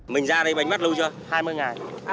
mình ra đây bánh mắt lâu chưa